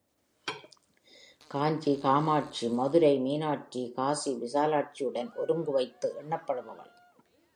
காஞ்சி காமாட்சி, மதுரை மீனாட்சி, காசி விசாலாக்ஷியுடன் ஒருங்குவைத்து எண்ணப்படுபவள்.